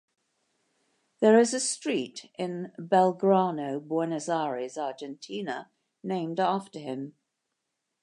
There is a street in Belgrano, Buenos Aires, Argentina, named after him.